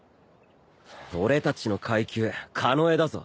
俺たちの階級庚だぞ。